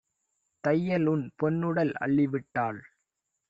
தையல்உன் பொன்னுடல் அள்ளிவிட்டாள்?"